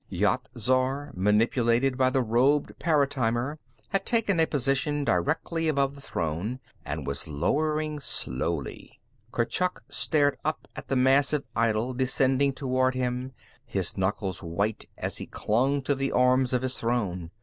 Yat Zar, manipulated by the robed paratimer, had taken a position directly above the throne and was lowering slowly. Kurchuk stared up at the massive idol descending toward him, his knuckles white as he clung to the arms of his throne.